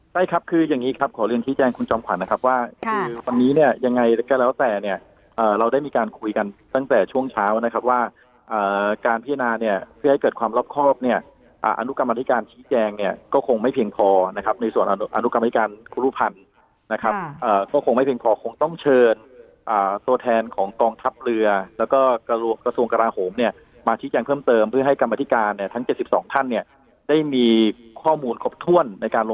ใช่ครับคือยังงี้ครับขอเรียนขี้แจงคุณจอมขวัญนะครับว่าคือวันนี้เนี่ยยังไงก็แล้วแต่เนี่ยเราได้มีการคุยกันตั้งแต่ช่วงเช้านะครับว่าการพิจารณาเนี่ยเพื่อให้เกิดความรอบครอบเนี่ยอนุกรรมธิการขี้แจงเนี่ยก็คงไม่เพียงพอนะครับในส่วนอนุกรรมธิการครูรูปันนะครับก็คงไม่เพียงพอคงต้องเชิญ